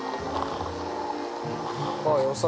ああよさ